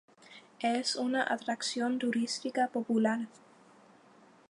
Es una atracción turística popular.